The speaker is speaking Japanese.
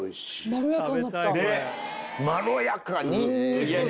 まろやか！